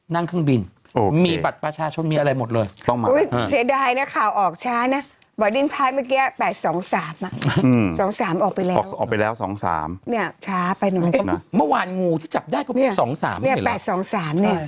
นั่งเครื่องบินโอเคมีบัตรประชาชนมีอะไรหมดเลยต้องมาอุ้ยเสียดายนะ